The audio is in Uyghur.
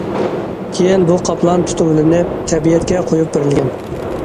كېيىن بۇ قاپلان تۇتۇۋېلىنىپ، تەبىئەتكە قويۇپ بېرىلگەن.